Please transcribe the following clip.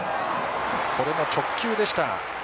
これも直球でした。